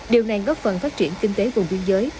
điều này góp phần phát triển kinh tế vùng biên giới